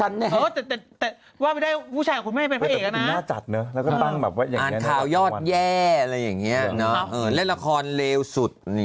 น่าจัดหวัดกับตาลรอดแย่อย่างนี้เล่นละครแล้วสุด